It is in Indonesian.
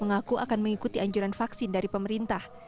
mengaku akan mengikuti anjuran vaksin dari pemerintah